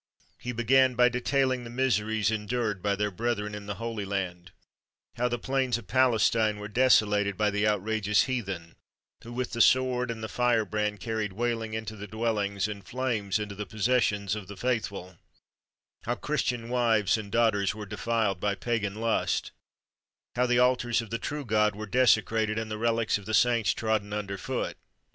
He began by detailing the miseries endured by their brethren in the Holy Land; how the plains of Palestine were desolated by the outrageous heathen, who with the sword and the firebrand carried wailing into the dwellings and flames into the possessions of the faithful; how Christian wives and daughters were defiled by pagan lust; how the altars of the true God were desecrated, and the relics of the saints trodden under foot.